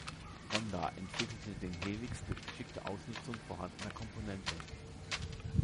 Honda entwickelte den Helix durch geschickte Ausnutzung vorhandener Komponenten.